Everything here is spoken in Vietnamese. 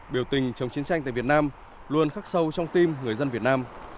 biểu tình chống chiến tranh tại việt nam luôn khắc sâu trong tim người dân việt nam